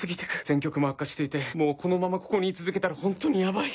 戦局も悪化していてもうこのままここに居続けたらほんとにやばい。